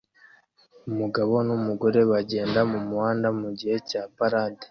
Umugabo numugore bagenda mumuhanda mugihe cya parade